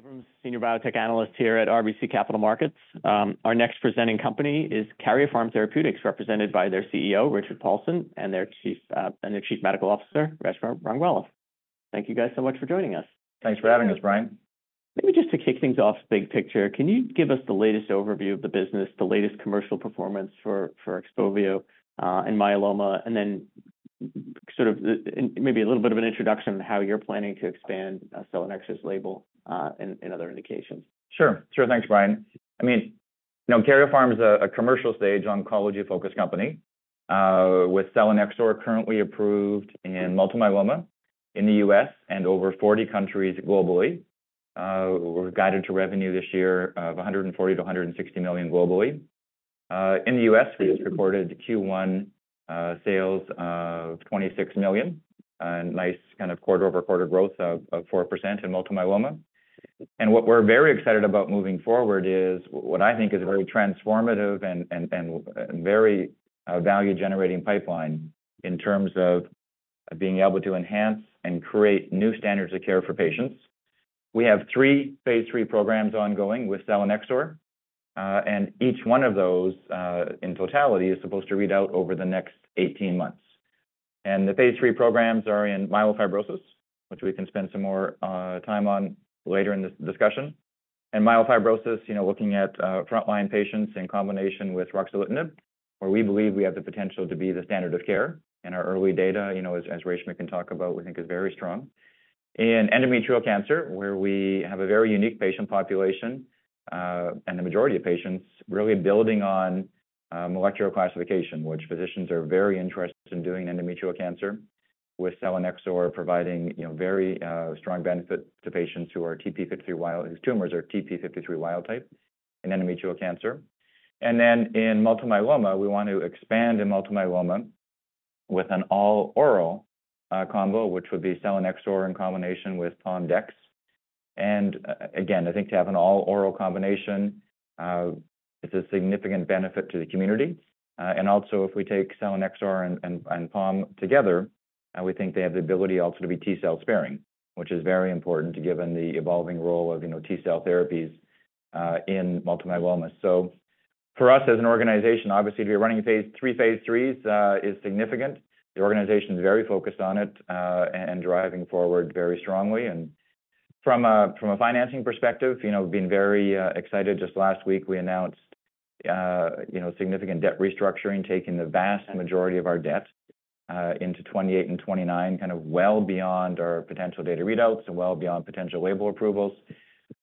Brian Abrahams, Senior Biotech Analyst here at RBC Capital Markets. Our next presenting company is Karyopharm Therapeutics, represented by their CEO, Richard Paulson, and their Chief Medical Officer, Reshma Rangwala. Thank you guys so much for joining us. Thanks for having us, Brian. Maybe just to kick things off, big picture, can you give us the latest overview of the business, the latest commercial performance for Xpovio in myeloma? And then sort of, and maybe a little bit of an introduction on how you're planning to expand selinexor's label in other indications. Sure. Sure. Thanks, Brian. I mean, you know, Karyopharm is a commercial-stage, oncology-focused company with selinexor currently approved in multiple myeloma in the U.S. and over 40 countries globally. We're guided to revenue this year of $140 to $160 million globally. In the U.S., we just reported Q1 sales of $26 million, a nice kind of quarter-over-quarter growth of 4% in multiple myeloma. And what we're very excited about moving forward is what I think is a very transformative and very value-generating pipeline in terms of being able to enhance and create new standards of care for patients. We have three Phase 3 programs ongoing with selinexor, and each one of those, in totality, is supposed to read out over the next 18 months. And the Phase 3 programs are in myelofibrosis, which we can spend some more time on later in this discussion. In myelofibrosis, you know, looking at frontline patients in combination with ruxolitinib, where we believe we have the potential to be the standard of care. And our early data, you know, as Reshma can talk about, we think is very strong. In endometrial cancer, where we have a very unique patient population, and the majority of patients really building on molecular classification, which physicians are very interested in doing endometrial cancer, with selinexor providing, you know, very strong benefit to patients who are TP53 wild... whose tumors are TP53 wild type in endometrial cancer. And then in multiple myeloma, we want to expand in multiple myeloma with an all-oral combo, which would be selinexor in combination with Pom/dex. And again, I think to have an all-oral combination is a significant benefit to the community. And also, if we take selinexor and Pom together, we think they have the ability also to be T-cell sparing, which is very important, given the evolving role of, you know, T-cell therapies in multiple myeloma. So for us, as an organization, obviously, to be running a Phase 3, Phase 3s is significant. The organization is very focused on it and driving forward very strongly. And from a financing perspective, you know, we've been very excited. Just last week, we announced, you know, significant debt restructuring, taking the vast majority of our debt into 2028 and 2029, kind of well beyond our potential data readouts and well beyond potential label approvals.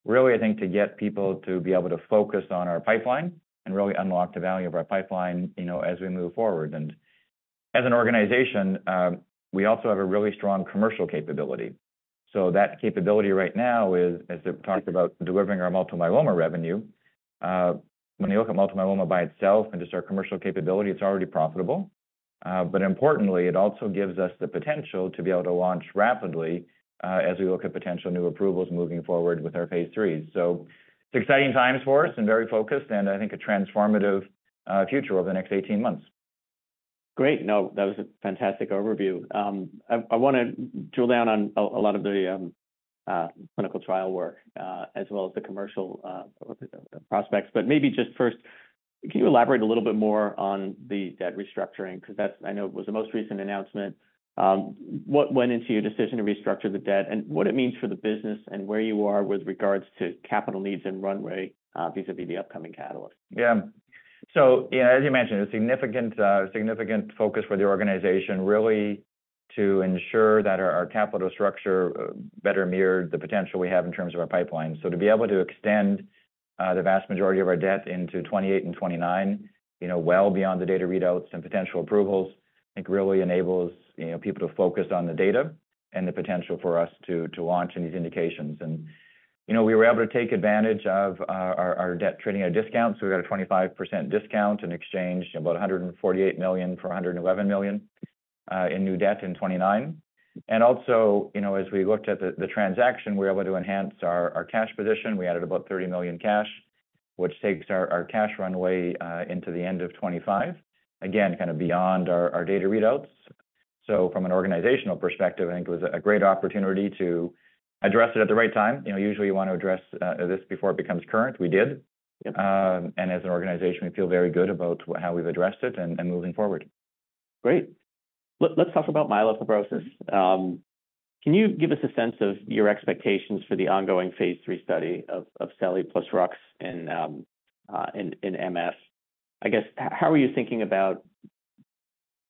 Really, I think, to get people to be able to focus on our pipeline and really unlock the value of our pipeline, you know, as we move forward. As an organization, we also have a really strong commercial capability. So that capability right now is, as I talked about, delivering our multiple myeloma revenue. When you look at multiple myeloma by itself and just our commercial capability, it's already profitable. But importantly, it also gives us the potential to be able to launch rapidly, as we look at potential new approvals moving forward with our Phase 3. So it's exciting times for us and very focused, and I think a transformative future over the next 18 months. Great. No, that was a fantastic overview. I wanna drill down on a lot of the clinical trial work, as well as the commercial prospects. But maybe just first, can you elaborate a little bit more on the debt restructuring? Because that, I know, was the most recent announcement. What went into your decision to restructure the debt, and what it means for the business and where you are with regards to capital needs and runway, vis-a-vis the upcoming catalyst? Yeah. So, yeah, as you mentioned, a significant, significant focus for the organization, really to ensure that our, our capital structure better mirror the potential we have in terms of our pipeline. So to be able to extend the vast majority of our debt into 2028 and 2029, you know, well beyond the data readouts and potential approvals, I think really enables, you know, people to focus on the data and the potential for us to, to launch in these indications. And, you know, we were able to take advantage of our, our debt trading at a discount. So we got a 25% discount in exchange, about $148 million for $111 million in new debt in 2029. And also, you know, as we looked at the transaction, we were able to enhance our, our cash position. We added about $30 million cash, which takes our cash runway into the end of 2025. Again, kind of beyond our data readouts. So from an organizational perspective, I think it was a great opportunity to address it at the right time. You know, usually, you want to address this before it becomes current. We did. And as an organization, we feel very good about how we've addressed it and moving forward. Great. Let's talk about myelofibrosis. Can you give us a sense of your expectations for the ongoing Phase 3 study of selinexor plus rux in MF? I guess, how are you thinking about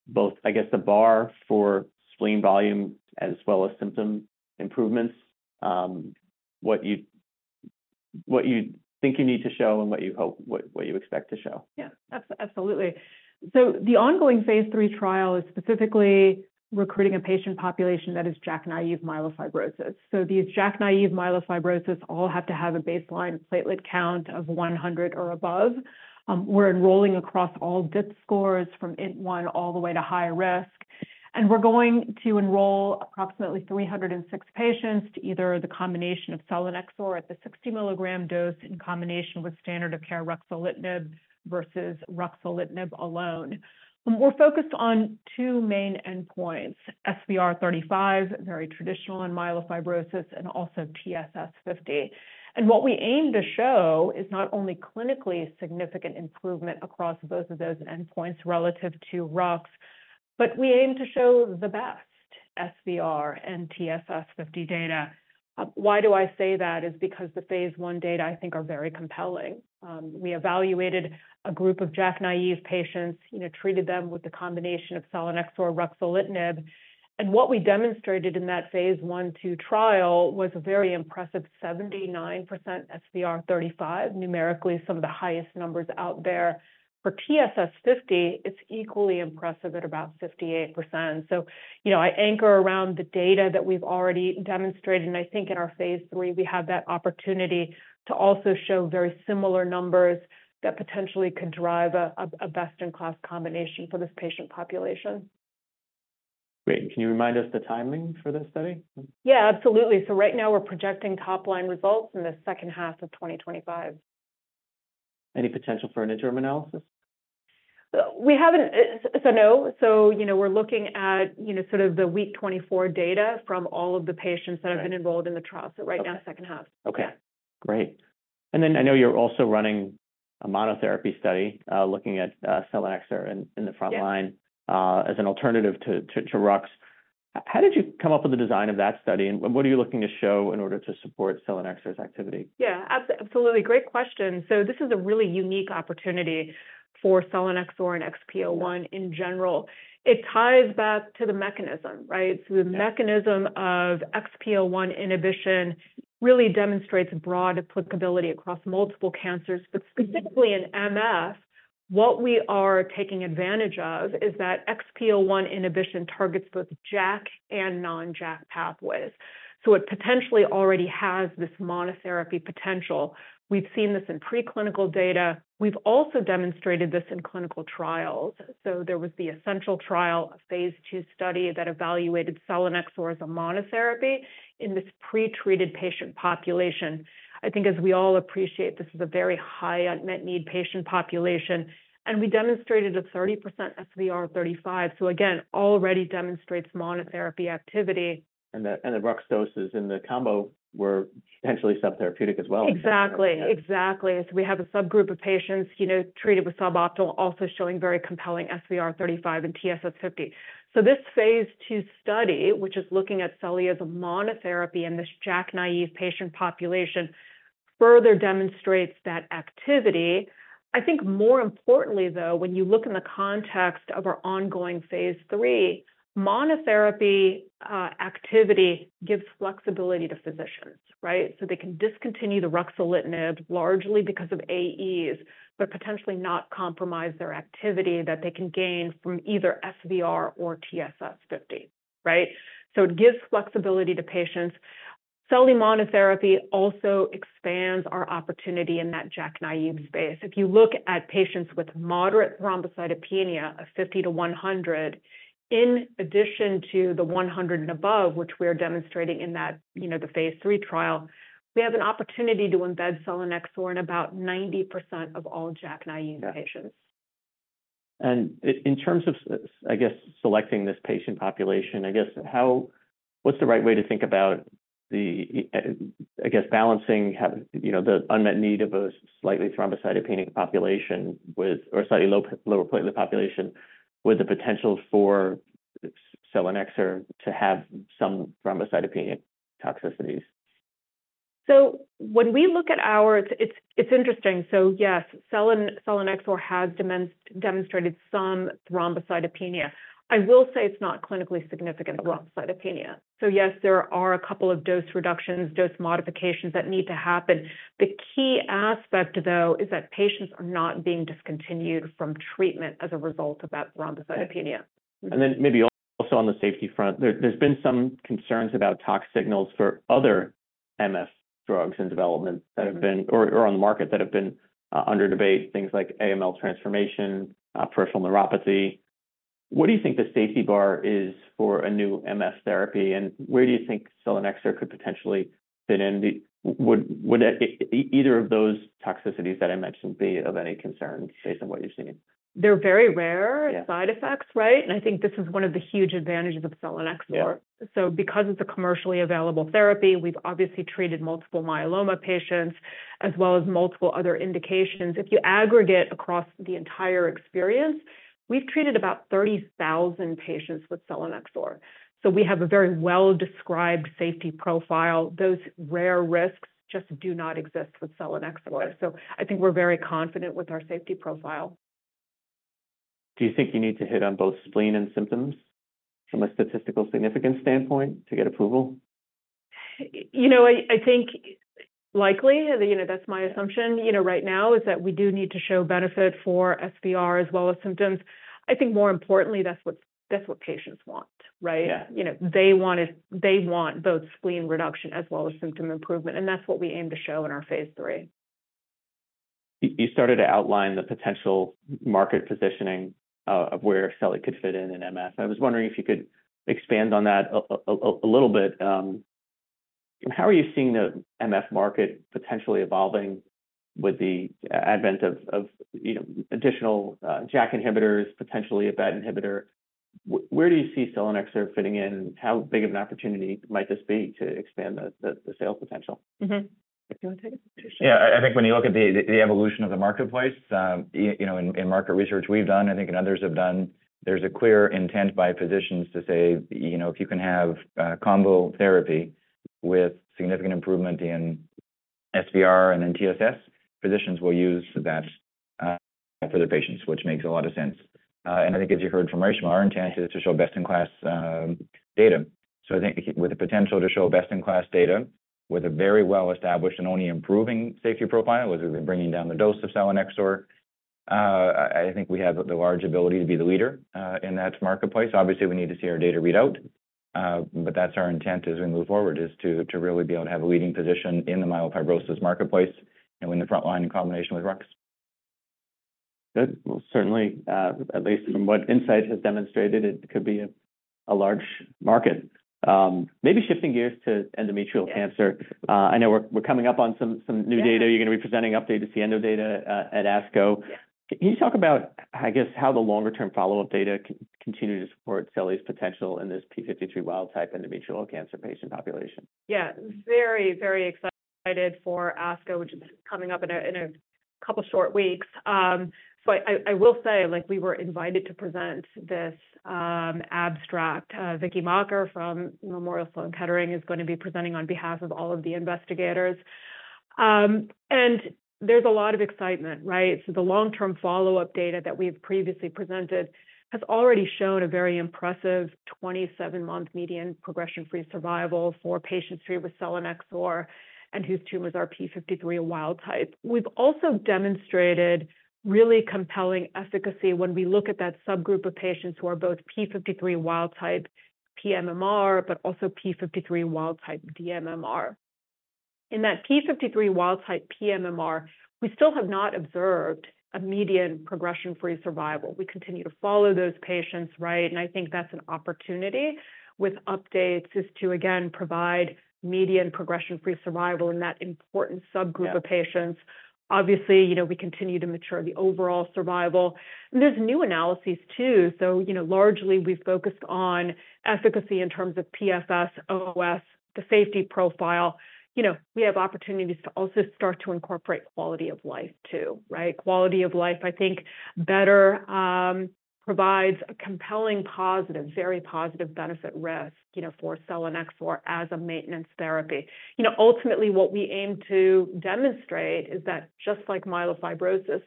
both, I guess, the bar for spleen volume as well as symptom improvements? What you think you need to show and what you hope, what you expect to show? Yeah. Absolutely. So the ongoing Phase 3 trial is specifically recruiting a patient population that is JAK-naive myelofibrosis. So these JAK-naive myelofibrosis all have to have a baseline platelet count of 100 or above. We're enrolling across all DIP scores from INT-1 all the way to high risk, and we're going to enroll approximately 306 patients to either the combination of selinexor at the 60 mg dose in combination with standard of care, ruxolitinib versus ruxolitinib alone. We're focused on two main endpoints: SVR35, very traditional in myelofibrosis, and also TSS50. And what we aim to show is not only clinically significant improvement across both of those endpoints relative to Rux-... But we aim to show the best SVR and TSS50 data. Why do I say that? Is because the Phase 1 data, I think, are very compelling. We evaluated a group of JAK-naïve patients, you know, treated them with a combination of selinexor and ruxolitinib. And what we demonstrated in that Phase 1/2 trial was a very impressive 79% SVR35, numerically, some of the highest numbers out there. For TSS50, it's equally impressive at about 58%. So, you know, I anchor around the data that we've already demonstrated, and I think in our Phase 1/2, we have that opportunity to also show very similar numbers that potentially can drive a best-in-class combination for this patient population. Great. Can you remind us the timing for this study? Yeah, absolutely. So right now, we're projecting top-line results in the second half of 2025. Any potential for an interim analysis? So, no. So, you know, we're looking at, you know, sort of the week 24 data from all of the patients- Right... that have been enrolled in the trial. Okay. Right now, second half. Okay, great. And then I know you're also running a monotherapy study, looking at selinexor in the frontline- Yeah... as an alternative to Rux. How did you come up with the design of that study, and what are you looking to show in order to support selinexor's activity? Yeah, absolutely. Great question. So this is a really unique opportunity for selinexor and XPO1 in general. It ties back to the mechanism, right? Yeah. The mechanism of XPO1 inhibition really demonstrates broad applicability across multiple cancers. Mm-hmm. But specifically in MF, what we are taking advantage of is that XPO1 inhibition targets both JAK and non-JAK pathways, so it potentially already has this monotherapy potential. We've seen this in preclinical data. We've also demonstrated this in clinical trials. So there was the ESSENTIAL trial, a Phase 2 study, that evaluated selinexor as a monotherapy in this pretreated patient population. I think, as we all appreciate, this is a very high unmet need patient population, and we demonstrated a 30% SVR35, so again, already demonstrates monotherapy activity. And the Rux doses in the combo were potentially subtherapeutic as well. Exactly. Yeah. Exactly. So we have a subgroup of patients, you know, treated with suboptimal, also showing very compelling SVR35 and TSS50. So this Phase 1 study, which is looking at Seli as a monotherapy in this JAK-naïve patient population, further demonstrates that activity. I think more importantly, though, when you look in the context of our ongoing Phase 3, monotherapy, activity gives flexibility to physicians, right? So they can discontinue the ruxolitinib largely because of AEs, but potentially not compromise their activity that they can gain from either SVR or TSS50, right? So it gives flexibility to patients. Seli monotherapy also expands our opportunity in that JAK-naïve space. If you look at patients with moderate thrombocytopenia of 50 to 100, in addition to the 100 and above, which we are demonstrating in that, you know, the Phase 3 trial, we have an opportunity to embed selinexor in about 90% of all JAK-naïve patients. In terms of selecting this patient population, I guess, how... What's the right way to think about the, I guess, balancing, you know, the unmet need of a slightly thrombocytopenic population with or slightly low, lower platelet population, with the potential for selinexor to have some thrombocytopenic toxicities? So when we look at ours, it's interesting. So yes, selinexor has demonstrated some thrombocytopenia. I will say it's not clinically significant thrombocytopenia. So yes, there are a couple of dose reductions, dose modifications that need to happen. The key aspect, though, is that patients are not being discontinued from treatment as a result of that thrombocytopenia. Then maybe also on the safety front, there, there's been some concerns about tox signals for other MF drugs in development. Mm-hmm... that have been, or on the market, that have been under debate, things like AML transformation, peripheral neuropathy. What do you think the safety bar is for a new MF therapy, and where do you think selinexor could potentially fit in the- Would either of those toxicities that I mentioned be of any concern based on what you've seen? They're very rare- Yeah... side effects, right? I think this is one of the huge advantages of selinexor. Yeah. So because it's a commercially available therapy, we've obviously treated multiple myeloma patients, as well as multiple other indications. If you aggregate across the entire experience, we've treated about 30,000 patients with selinexor, so we have a very well-described safety profile. Those rare risks just do not exist with selinexor. Right. I think we're very confident with our safety profile. Do you think you need to hit on both spleen and symptoms from a statistical significance standpoint to get approval? You know, I think likely, you know, that's my assumption, you know, right now, is that we do need to show benefit for SVR as well as symptoms. I think more importantly, that's what patients want, right? Yeah. You know, they want it, they want both spleen reduction as well as symptom improvement, and that's what we aim to show in our Phase 3. You started to outline the potential market positioning of where Seli could fit in in MF. I was wondering if you could expand on that a little bit. How are you seeing the MF market potentially evolving with the advent of, you know, additional JAK inhibitors, potentially a BET inhibitor? Where do you see selinexor fitting in? How big of an opportunity might this be to expand the sales potential? Mm-hmm.... Do you want to take it, Richard? Yeah, I think when you look at the evolution of the marketplace, you know, in market research we've done, I think and others have done, there's a clear intent by physicians to say, you know, if you can have combo therapy with significant improvement in SVR and then TSS, physicians will use that for their patients, which makes a lot of sense. And I think as you heard from Reshma, our intent is to show best-in-class data. So I think with the potential to show best-in-class data, with a very well-established and only improving safety profile, with bringing down the dose of selinexor, I think we have the large ability to be the leader in that marketplace. Obviously, we need to see our data readout, but that's our intent as we move forward, is to really be able to have a leading position in the myelofibrosis marketplace and in the frontline in combination with Rux. Good. Well, certainly, at least from what Incyte has demonstrated, it could be a large market. Maybe shifting gears to endometrial cancer. Yeah. I know we're coming up on some new data- Yeah. You're going to be presenting update to the endo data at ASCO. Yeah. Can you talk about, I guess, how the longer-term follow-up data continue to support selinexor's potential in this p53 wild-type endometrial cancer patient population? Yeah. Very, very excited for ASCO, which is coming up in a couple of short weeks. But I will say, like, we were invited to present this abstract. Vicky Makker from Memorial Sloan Kettering is going to be presenting on behalf of all of the investigators. And there's a lot of excitement, right? So the long-term follow-up data that we've previously presented has already shown a very impressive 27-month median progression-free survival for patients treated with selinexor and whose tumors are p53 wild type. We've also demonstrated really compelling efficacy when we look at that subgroup of patients who are both p53 wild type pMMR, but also p53 wild type dMMR. In that p53 wild type pMMR, we still have not observed a median progression-free survival. We continue to follow those patients, right? I think that's an opportunity with updates, is to, again, provide median progression-free survival in that important subgroup of patients. Yeah. Obviously, you know, we continue to mature the overall survival. There's new analyses too. So, you know, largely we've focused on efficacy in terms of PFS, OS, the safety profile. You know, we have opportunities to also start to incorporate quality of life, too, right? Quality of life, I think, better provides a compelling positive, very positive benefit risk, you know, for selinexor as a maintenance therapy. You know, ultimately, what we aim to demonstrate is that just like myelofibrosis,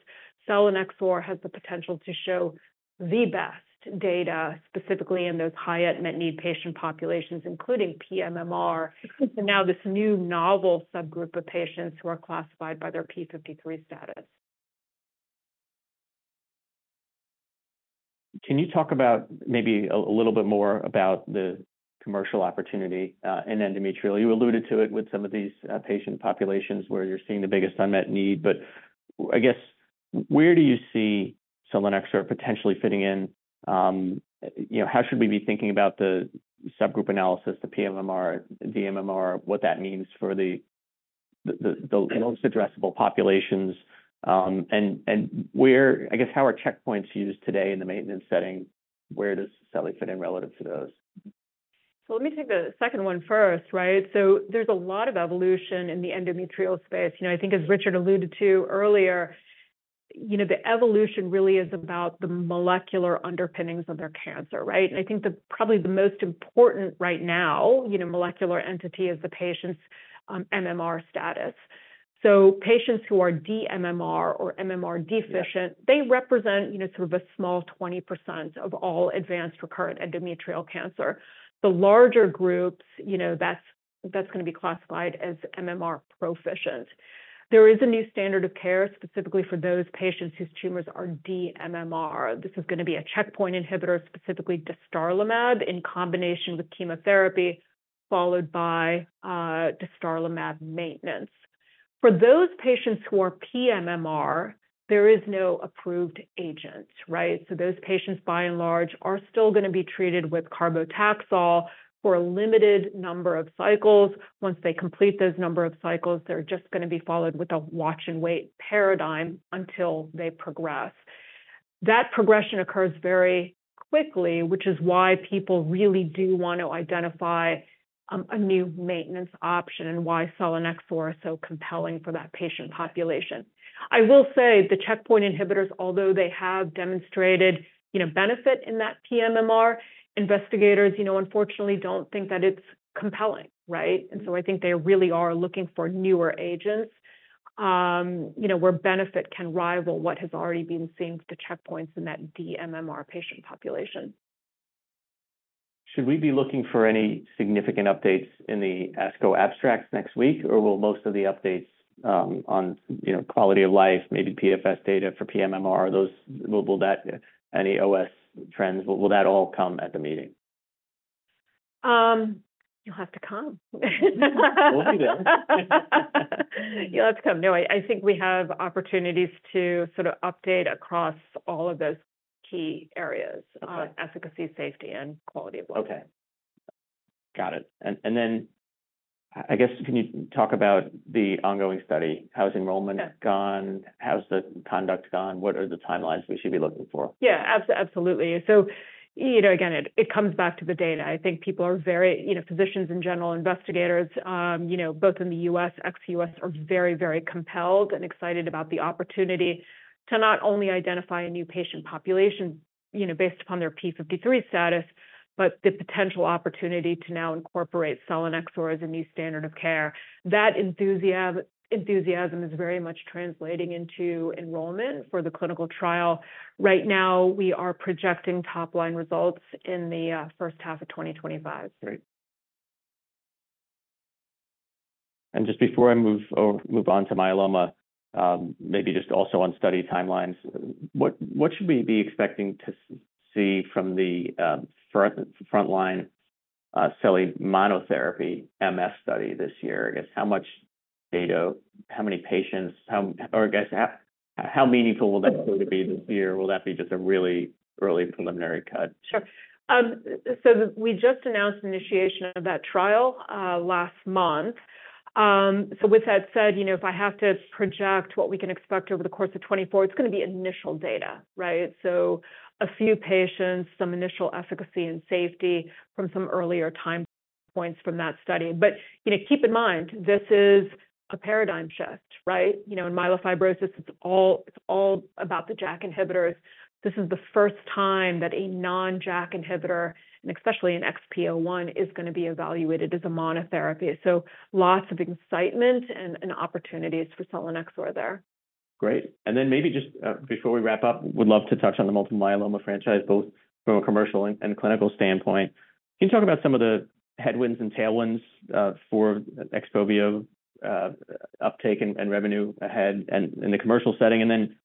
selinexor has the potential to show the best data, specifically in those high unmet need patient populations, including pMMR, and now this new novel subgroup of patients who are classified by their p53 status. Can you talk about maybe a little bit more about the commercial opportunity in endometrial? You alluded to it with some of these patient populations where you're seeing the biggest unmet need, but I guess, where do you see selinexor potentially fitting in? You know, how should we be thinking about the subgroup analysis, the pMMR, dMMR, what that means for the most addressable populations, and where... I guess, how are checkpoints used today in the maintenance setting? Where does selinexor fit in relative to those? So let me take the second one first, right? So there's a lot of evolution in the endometrial space. You know, I think as Richard alluded to earlier, you know, the evolution really is about the molecular underpinnings of their cancer, right? And I think the, probably the most important right now, you know, molecular entity is the patient's MMR status. So patients who are dMMR or MMR deficient- Yeah... they represent, you know, sort of a small 20% of all advanced recurrent endometrial cancer. The larger groups, you know, that's, that's going to be classified as MMR proficient. There is a new standard of care, specifically for those patients whose tumors are dMMR. This is going to be a checkpoint inhibitor, specifically dostarlimab, in combination with chemotherapy, followed by dostarlimab maintenance. For those patients who are pMMR, there is no approved agent, right? So those patients, by and large, are still going to be treated with carboplatin for a limited number of cycles. Once they complete those number of cycles, they're just going to be followed with a watch and wait paradigm until they progress. That progression occurs very quickly, which is why people really do want to identify a new maintenance option and why selinexor is so compelling for that patient population. I will say, the checkpoint inhibitors, although they have demonstrated, you know, benefit in that pMMR, investigators, you know, unfortunately, don't think that it's compelling, right? And so I think they really are looking for newer agents, you know, where benefit can rival what has already been seen with the checkpoints in that dMMR patient population. Should we be looking for any significant updates in the ASCO abstracts next week, or will most of the updates, on, you know, quality of life, maybe PFS data for pMMR, those, will that... any OS trends, will that all come at the meeting? You'll have to come. We'll be there. You'll have to come. No, I think we have opportunities to sort of update across all of those key areas- Okay... efficacy, safety, and quality of life. Okay.... Got it. And then, I guess, can you talk about the ongoing study? How has enrollment gone? How's the conduct gone? What are the timelines we should be looking for? Yeah, absolutely. So, you know, again, it, it comes back to the data. I think people are very, you know, physicians in general, investigators, you know, both in the U.S., ex-U.S., are very, very compelled and excited about the opportunity to not only identify a new patient population, you know, based upon their p53 status, but the potential opportunity to now incorporate selinexor as a new standard of care. That enthusiasm is very much translating into enrollment for the clinical trial. Right now, we are projecting top-line results in the first half of 2025. Great. And just before I move on to myeloma, maybe just also on study timelines, what should we be expecting to see from the frontline selinexor monotherapy MS study this year? I guess, how much data, how many patients, or I guess, how meaningful will that be this year? Will that be just a really early preliminary cut? Sure. So we just announced initiation of that trial last month. So with that said, you know, if I have to project what we can expect over the course of 2024, it's going to be initial data, right? So a few patients, some initial efficacy and safety from some earlier time points from that study. But, you know, keep in mind, this is a paradigm shift, right? You know, in myelofibrosis, it's all, it's all about the JAK inhibitors. This is the first time that a non-JAK inhibitor, and especially an XPO1, is going to be evaluated as a monotherapy. So lots of excitement and, and opportunities for selinexor there. Great. And then maybe just, before we wrap up, would love to touch on the multiple myeloma franchise, both from a commercial and, and clinical standpoint. Can you talk about some of the headwinds and tailwinds, for Xpovio, uptake and, and revenue ahead and in the commercial setting? And then,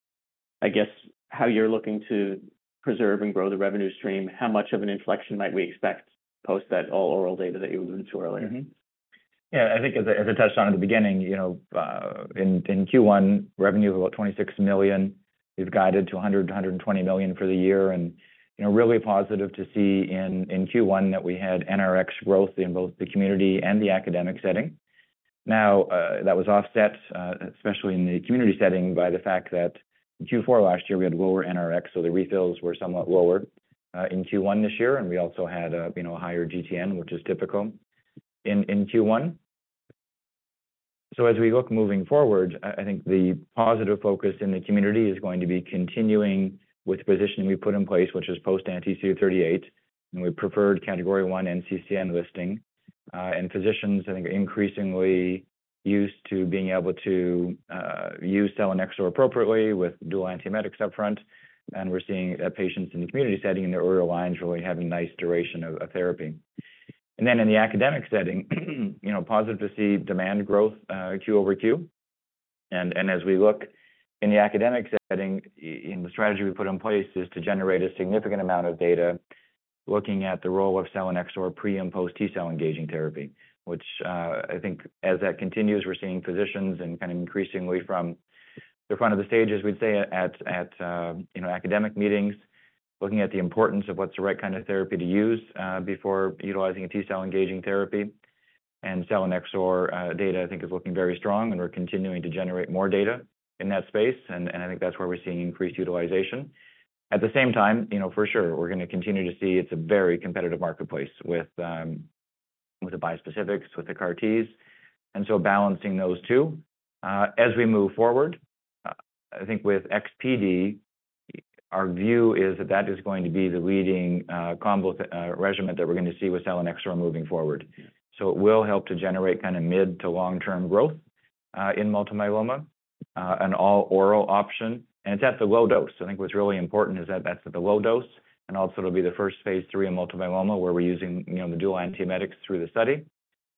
I guess, how you're looking to preserve and grow the revenue stream, how much of an inflection might we expect post that all oral data that you alluded to earlier? Mm-hmm. Yeah, I think as I, as I touched on at the beginning, you know, in Q1, revenue of about $26 million, we've guided to $120 million for the year, and, you know, really positive to see in Q1 that we had NRX growth in both the community and the academic setting. Now, that was offset, especially in the community setting, by the fact that in Q4 last year, we had lower NRX, so the refills were somewhat lower in Q1 this year, and we also had a, you know, higher GTN, which is typical in Q1. So as we look moving forward, I think the positive focus in the community is going to be continuing with the positioning we put in place, which is post anti-CD38, and we preferred Category 1 NCCN listing. Physicians, I think, are increasingly used to being able to use selinexor appropriately with dual antiemetics upfront, and we're seeing patients in the community setting in their oral lines really having nice duration of therapy. Then in the academic setting, you know, positive to see demand growth Q-over-Q. As we look in the academic setting, you know, the strategy we put in place is to generate a significant amount of data looking at the role of selinexor pre and post T-cell engaging therapy, which, I think as that continues, we're seeing physicians and kind of increasingly from the front of the stage, as we'd say at academic meetings, looking at the importance of what's the right kind of therapy to use before utilizing a T-cell engaging therapy. Selinexor data, I think, is looking very strong, and we're continuing to generate more data in that space, and I think that's where we're seeing increased utilization. At the same time, you know, for sure, we're going to continue to see it's a very competitive marketplace with, with the bispecifics, with the CAR-Ts, and so balancing those two. As we move forward, I think with XPD, our view is that that is going to be the leading, combo, regimen that we're going to see with selinexor moving forward. So it will help to generate mid to long-term growth, in multiple myeloma, an all-oral option, and it's at the low dose. I think what's really important is that that's at the low dose, and also it'll be the first Phase 3 in multiple myeloma, where we're using, you know, the dual antiemetics through the study.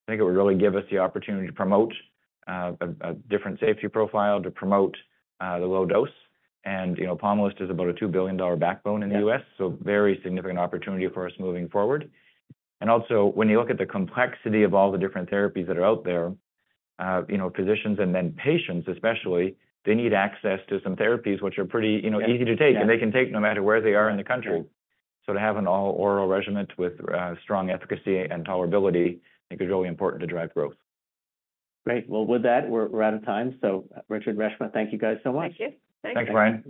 I think it would really give us the opportunity to promote, a different safety profile, to promote, the low dose. And, you know, Pomalyst is about a $2 billion backbone in the U.S.- Yeah. So very significant opportunity for us moving forward. And also, when you look at the complexity of all the different therapies that are out there, you know, physicians and then patients, especially, they need access to some therapies which are pretty, you know, easy to take, and they can take no matter where they are in the country. So to have an all-oral regimen with strong efficacy and tolerability, I think, is really important to drive growth. Great. Well, with that, we're out of time. So Richard, Reshma, thank you guys so much. Thank you. Thanks, Brian.